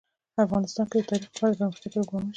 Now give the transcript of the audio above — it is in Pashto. افغانستان کې د تاریخ لپاره دپرمختیا پروګرامونه شته.